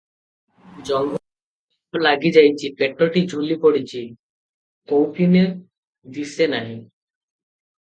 ଜଙ୍ଘକୁ ଜଙ୍ଘ ଲାଗିଯାଇଛି, ପେଟଟି ଝୁଲି ପଡିଛି, କୌପୀନ ଦିଶେ ନାହିଁ ।